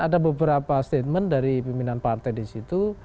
ada beberapa statement dari pimpinan partai disitu